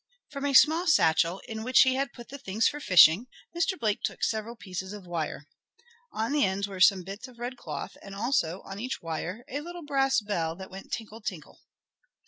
From a small satchel, in which he had put the things for fishing, Mr. Blake took several pieces of wire. On the ends were some bits of red cloth, and also, on each wire, a little brass bell, that went "tinkle tinkle."